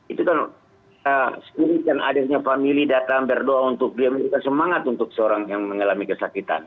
itu kan spirit dan adiknya famili datang berdoa untuk dia memberikan semangat untuk seorang yang mengalami kesakitan